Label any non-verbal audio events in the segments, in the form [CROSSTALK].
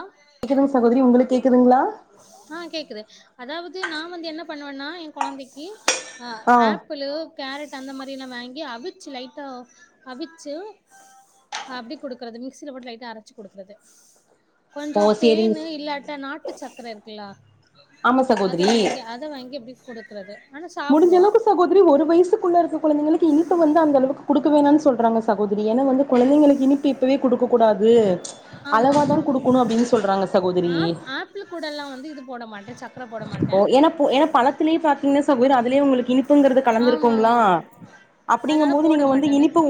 ஆ கேக்குதுங்க சகோதரி உங்களுக்கு கேக்குதுங்களா ஆ கேக்குது அதாவது நா வந்து என்ன பண்ணுவன்னா எ கொழந்தைக்கு அ ஆ ஆப்பிள் கேரட் அந்த மாரில்லா வாங்கி அவி ச்சு லைட்டா அவிச்சு அப்டி கொடுக்றது மிக்சில போட்டு லைட்ட் அரைச்சு குடுக்றது ஓ கொஞ்சொ சேரிங்க தேன் ஸ் இல்லாட்ட நாட்டு சக்கர இருக்குல்லா ஆமா அத சகோதரி வாங்கி அத வாங்கி எப்டி குடுக்குறது ஆனா முடிஞ்ச சாப்டுவா அளவுக்கு சகோதரி ஒரு வயசுக்குள்ள இருக்க கொழந்தைகளுக்கு இனிப்ப வந்து அந்த அளவுக்கு கொடுக்க வேணான்னு சொல்றாங்க சகோதரி ஏன்னா வந்து குழந்தைங்களுக்கு இனிப்பு இப்போவே கொடுகக்கூடாது ஆமா ஆமா சகோதரி ஆப் ஆப்பிள் கூட எல்லா வந்து இது போட மாட் ஓ என என பழத்திலேயே பாத்தீங்கன்னா சகோதரி அதுலயே உங்களுக்கு இனிப்புங்கறது ஆமா கலந்தத்திருக்கோங்களா ஆமா அப்டிங்கு அதனால போது போட நீங்க வந்து மாட்டே அந்த இனிப்பு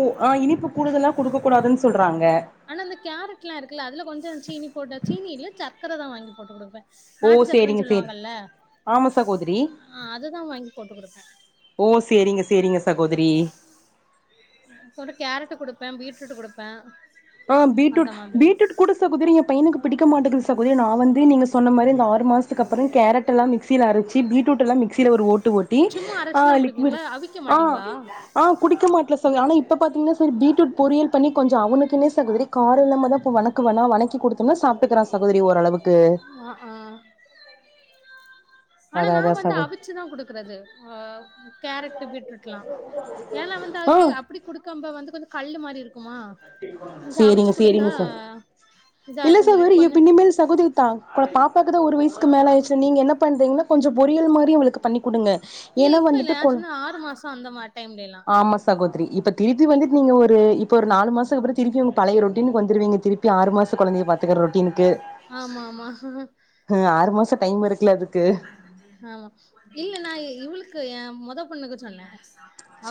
இனிப்பு கூடுதலா கொடுக்க கூடாதுன்னு சொல்றாங்க அதா சீனி போட்ட சீனி இல்ல சக்கரை தா வாங்கி போட்டு கொடுப்பே ஓ நாட்டு சக்கரன் சேரிங்க சேரி சொல்லுவாங்கல்ல ஆமா சகோதரி ஆ அதுதா வாங்கி போட்டுக்கடுப்பே ஓ சேரிங்க சேரிங்க சகோதரி அகூட கேரட் கொடுப்பே பீட்ரூட் கொடுப்பே ஆ பீட்ரூட் பீட்ருகூட சகோதரி என் பையனுக்கு பிடிக்க மாட்டுக் சகோதரி நா வந்து நீங்க சொன்ன மாதிரி இந்த ஆ று மாசத்துக்கு அப்புறொ கேரட் எல்லா மிக்சில அரைச்சி பீட்ரூட எல்லா மிக்சில ஒரு ஓட்டு ஓட்டி சும்மா ஆ அரச்சுதா லிக்குவிடு குடுப்பீங்களா அவிக்க ஆ மாட்டீங்களா ஆ குடிக்க மாட்ல சகோ ஆனா இப்ப பாத்தீங்கன்னா சரி பீட்ருட் பொறியல் பண்ணி கொஞ்சொ அவனுக்குனு சகோதரி கார இல்லாமதா இப்ப வணக்கு வேணா வணக்கி குடுத்தோம்னா சாப்ட்டுக்கறா சகோதரி ஓரளவுக்கு ஆ ஆ ஆனா அதா நா அதா வந்து சகோ அவிச்சுதான் குடுக்கறது ஆ கேரட் பீட்ரூட்லா ஏன்னா வந்து ஆ அப்டி அப்டி குடுக்கம்போ வந்து கொஞ்ச கல்லு மாரி இருக் சேரிங்க சேரிங்க சகோ இதா இல்ல இருக்குன்னு சகோதரி சொல்லிட்டு கொஞ்சோ இனிமேல் சகோதரி தா பாப்பாக்கு தா ஒரு வயசுக்கு மேல ஆயிடுச்சு நீங்க என்ன பண்றீங்கன்னா கொஞ்சொ பொரியியல் மாரியு அவளுக்கு பண்ணி கொடுங்க இல்ல ஏன்ன இப்ப இல்ல வந்துட்டு நா கொ சொன்ன ஆறு மாசோ அந்த மா டைம்லலா ஆமா சகோதரி இப்ப திருப்பி இப்ப வந்துட்டு நீங்க ஒரு [UNINTELLIGIBLE] இப்போ ஒரு நாலு மாசக் அப்ற திருப்பி உங்க பழைய ரொட்டீனுக்கு வந்துறுவீங்க திருப்பி ஆறு மாச கொழந்தைய பாத்துக்கற ரொட்டீனுக்கு ஆமா ஆமா ஆமா அ ஆறு மாச டைம் இருக்குல அதுக் ஆமா இல்ல நா இவளுக்கு ஏ மொத பொண்ணுக்கு சொன்ன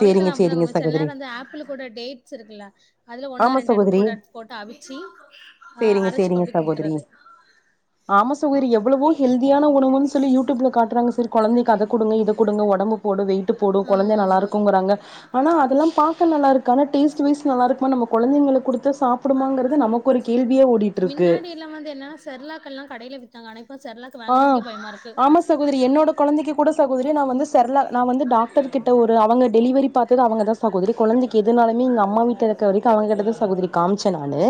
சேரிங்க அப்டிதா சேரிங்க கொண்போவ செல நேர சகோதரி வந்து ஆப்பிள் கூட டேட்ஸ் இருக்குல்ல அதுல ஒன்னொ ஆமா ரெண்டெடுத் சகோதரி கூட எடுத் போட்டு அவிச்சு அ அரச்சு கொ அப்டி குடுத்துறது ஆம சகோதரி எவ்வளவோ ஹெல்தியான உணவுன் சொல்லி யூடியூப்ல காட்றாங்க சர் கொழந்தைக் அத குடுங்க இத குடுங்க ஒடம்பு போடு வெயிட்டு போடு கொழந்த ஆமா ஆமா நல்லாருக்குங்கறாங்க ஆனா அதெல்லாம் பாக்க நல்லாருக் ஆனா டேஸ்ட்டு வைஸ் நல்லாருக் குமா நம்ம கொழந்தைங்களுக் குடுத்து சாப்பிடுமாங்கறது நமக்கு ஒரு கேள்வியே ஓடிட்ருக்கு நா கடையில வி ஆம் ஆமா சகோதரி என்னோட கொழந்தைக்கு கூட ச சகோதரி நா வந்து செரல நா வந்து டாக்டர் கிட்ட ஒரு அவங்க டெலிவரி பாத்தது அவுங்க தா சகோதரி கொழந்தைக்கு எதுனாலுமே எங்க அம்மா வீட்ல இருக்க வரைக்கு அவுங்க கிட்டதா சகோதரி காமிச்ச நானு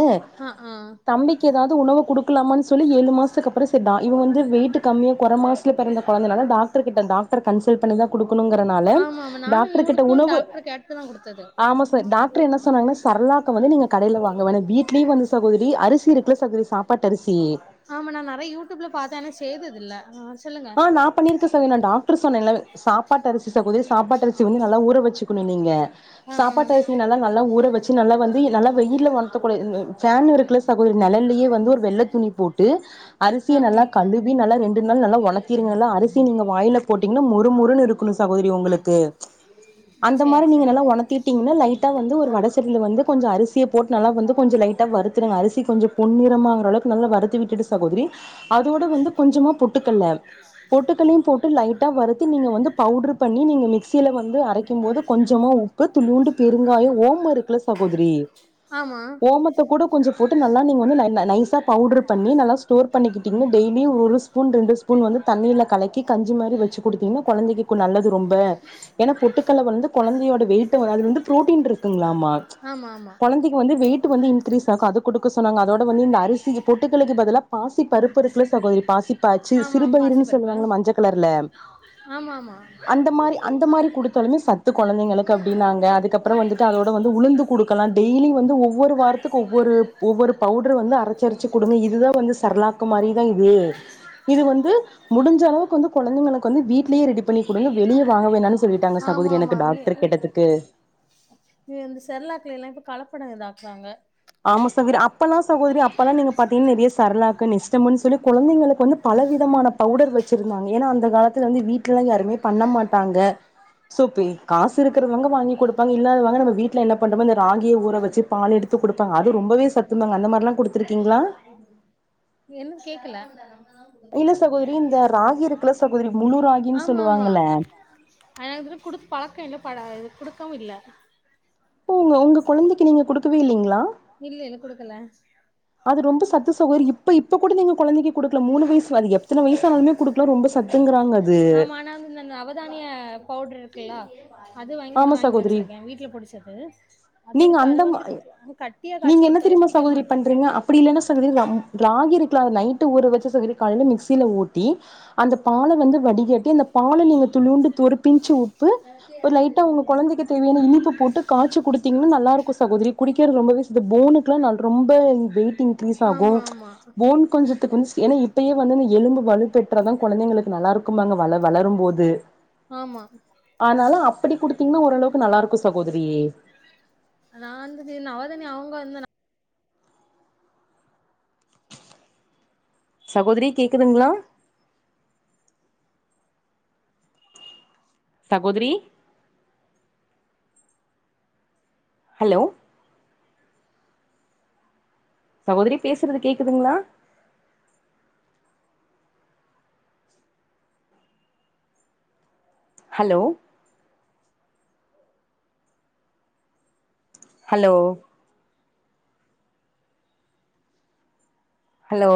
ஆ ஆ தம்பிக்கு எதாவது உணவு குடுக்கலாமான் சொல்லி ஏழு மாசத்துக்கு அப்புறம்செட் தா இவங்க வந்து வெயிட்டு கம்மியா கொற மாசத்ல பெறந்த கொழந்தனால டாக்டர் கிட்ட டாக்டர் கன்சல்ட் பண்ணிதா குடுக்கணும்ங்கிறனால ஆமா ஆமா நானு டாக்டர் கிட்ட இவளுக்கு உணவு டாக்டர் கேட்டு தா குடுத்தது ஆமா சார் டாக்டர் என்ன சொன்னாங்ன்னா சர்லாக்க வந்து நீங்க கடையில வாங் ங்க வேணா வீட்லயே வந்து சகோதரி அரிசி இருக்குல சகோதரி சாப்பாட்டு அரிசி செய்ததில்ல ஆஆஅ ஆ நா பண்ணிருக்கே சகோ நா டாக்டர் சொன்னேன்ல வெ சாப் சாப்பாட்டரிசி சகோதரி சாப்பாட்டரிசி வந்து நல்லா ஊற வச்சுக்கண்ணு நீங்க ஆ ஆ சாப்பாட்டரிசி நல்லா நல்லா ஊற வச்சு நல் வந்து நல்லா வெயில்ல ஒணத்தகூடா நி ஃபேன் இருக்குல சகோதரி நெழல்லயே வந்து ஒரு வெள்ளத்துணி போட்டு ஆ அரிசிய ஆ நல்லா கழுவி நல்லா ரெண்டு நாள் நல்லா ஒணத் அரிசி நீங்க வாயில போட்டீங்ன்னா மொறுமொறுன்னு இருக்கன்னு சகோதரி உங்களுக்கு அந்த சேரி மாரி நீங்க சேரி நல்லா ஒணத்திட்டீங்கன்னா லைட்டா வந்து ஒரு வடசட்டில வந்து கொஞ்ச அரிசிய போட்டு நல்லா வந்து கொஞ்ச லைட் லைட்டா வருத்துருங்க அரிசி கொஞ்ச பொன்னிறமாகுறளவுக்கு நல்லா வருத்தி விட்டுட்டு சகோதரி அதோட வந்து கொஞ்சமா பொட் பொட்டுக்கல்ல பொட்டுக்கல்லையும் போட்டு லைட்டா வறுத்து நீங்க வந்து பவுட்ரு பண்ணி நீங்க மிக்சியில வந்து அரைக்கும்போது கொஞ்சமா உப்பு துணுண்டு பெருங்காயம் ஓமோ இருக்குல சகோதரி ஆமா ஓமத்த கூட கொஞ்ச போட்டு நல்லா நீங்க வந்து ந ந நைசா பவுட்ரு பண்ணி நல்லா ஸ்டோர் பண்ணிக்கிட்டீங்னா டெய்லி நி ஒரு ஸ்பூன் ரெண்டு ஸ்பூன் வந்து தண்ணியில கலக்கி கஞ்சி மாரி வச்சு குடுத்தீங்ன்னா கொழந்தைக்கு நல்லது ரொம்ப ஏன்னா பொட்டுக்கல்ல வந்து கொழந்தையோட வெயிட்ட வந்து ப்ரோடீன் இருக்குங்ளாமா ச் ஆமா ஆமா கொழந்தைக்கு வந்து வெயிட்டு வந்து இன்கிரீஸ் ஆகு அது குடுக்க சொன்னாங்க அதோட வந்து இந்த அரிசி பொட்டுக்கல்லைக்கு பதிலா பாசி பருப்பு இருக்குல சகோதரி பாசிப்பாச்சு ஆமா ஆமா சிறுபயிருன்னு பாசிப்பருப்பு சொல்லுவாங்கள மஞ்ச கலர்ல ஆமா ஆமா அந்த மாரி அந்த மாரி குடுத்தாலுமே சத்து கொழந்தைங்களுக்கு அப்டின்னாங்க அதுக்கப்புறோம் வந்துட்டு அதோட வந்து உளுந்து குடுக்கலாம் டெய்லி வந்து ஒவ்வொரு வாரத்துக்கு ஒவ்வொரு ஒவ்வொரு பவுடர் வந்து அரச்சரச்சு குடுங்க இதுதா வந்து சரலாக்கு மாரி தா இது இது வந்து முடிஞ்சளவுக்கு வந்து கொழந்தைங்களுக்கு வந்து வீட்லேயே ரெடி பண்ணி குடுங்க வெளிய வாங்க வேணாணு சொல்லிட்டாங்க ஆமா சகோதரி ஆமா எனக்கு டாக்டர் கேட்டதுக்கு இல்லாட்டி கலப்படம் இதாக்குறாங்க ஆமா சகோதரி அப்பெல்லா சகோதரி அப்பெல்லா நீங்க பாத்தீங்கன்னா நெறைய சரலாக்கு நிஷ்டம்ன்னு சொல்லி குழந்தைங்களுக்கு வந்து பா பல விதமான பவுடர் வச்சிருந்தாங்க ஏன்னா அந்த காலத்துல வந்து வீட்லலா யாருமே பண்ண மாட்டாங்க சோபி காசு இருக்கறவங்க வாங்கி கொடுப்பாங்க இல்லாதவங்க நம்ம வீட்ல என்ன பண்றோமோ இந்த ராகி ஊர வச்சு பால் எடுத் து குடுப்பாங்க அது ரொம்பவே சத்து தாங்க அந்த மாரில்லா குடுத்துருக்கீங்ளா என்னன்னு கேக்கல இல்ல சகோதரி இந்த ராகி இருக்குல்ல சகோதரி முழு ராகின்னு சொல்லுவா அ ஆ இது குடுத்து பழக்க இல்ல ப நா இது குடுக்கவும் இல்ல உங்க உங்க குழந்தைக்கு நீங்க குடுக்கவே இல்லேங்களா இல்லல்ல குடுக்கல [INAUDIBLE] சத்து சகோதரி இப்ப இப்ப கூட நீங்க கொழந்தைக்கு குடுக்கல மூணு வயசு அது எத்தன வயசானாலுமே குடுக்கலா ரொம்ப சத்துங்கறாங்க அது [INAUDIBLE] ஆமா ஆனா இந்த நவதானிய பவுட்ரு இருக்குல்லா அது வாங்கி ஆமா வாங்கி சகோதரி வச்சிருக்கேன் வீட்ல புடிச்சது அது நீங்க இருக்கு அத வந்து அந்த அ கட் நீங்க என்ன தெரியுமா சகோதரி பண்றீங்க அப்படி இல்லன்னா சகோதரி ரம் ராகி இருக்ல அத நைட்டு ஊர வச்சு சகோதரி கா அத வந்து மிக்சியில ஓட்டி அந்த பால வந்து வடிகட்டி அந்த பால நீங்க துளுண்டு ஒரு பிஞ்ச்சு உப்பு ஒரு லைட்டா ஒங்க கொழந்தைக்கு தேவையான இனிப்பு போட்டு காச்சி குடுத்தீங்கன்னா நல்லாருக்கும் சகோதரி குடிக்கிறது ரொம்பவே நல்லது போனு ரொம்ப வெய்ட்டு இன்கிரீஸ் ஆமா ஆகும் ஆமா போன் கொஞ்சத்துக்கு ஏன்னா இப்பயே வந்து எலும்பு வலுப்பெற்றா தான் கொழந்தைங்களுக்கு நல்லாருக்கும்பாங்க வள வளரும் போது ஆமா அப்டி குடுத்தீங்கன்னா ஓரளவுக்கு நல்லாருக்கும் சகோதரி நா வந்துடி நவதானியோ அவுங்க வந்த சகோதரி கேக்குதுங்களா சகோதரி ஹலோ சகோதரி பேசுறது கேக்குதுங்களா ஹலோ ஹலோ ஹலோ